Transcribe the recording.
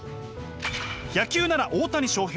野球なら大谷翔平